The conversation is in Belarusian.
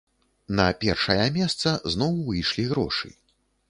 На першая месца зноў выйшлі грошы.